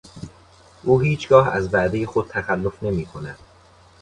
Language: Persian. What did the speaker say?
او هیچگاه از وعدهٔ خود تخلف نمیکند.